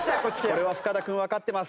これは深田君わかってます。